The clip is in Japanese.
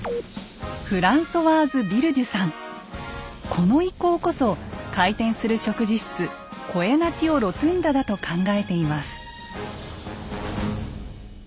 この遺構こそ回転する食事室「コエナティオ・ロトゥンダ」だと考えています。